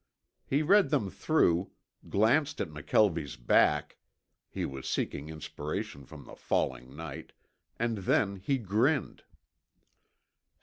He read them through, glanced at McKelvie's back (he was seeking inspiration from the falling night), and then he grinned.